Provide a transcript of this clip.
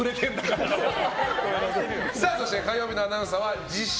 そして火曜日のアナウンサーは自称